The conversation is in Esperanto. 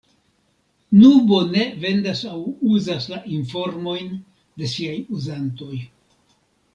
Nubo ne vendas aŭ uzas la informojn de siaj uzantoj.